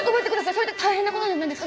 それって大変なことじゃないんですか？